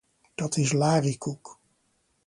Dat is lariekoek.